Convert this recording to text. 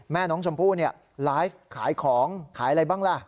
แม่น้องชมพู่เนี่ยไลฟ์ขายของขายอะไรบ้างล่ะ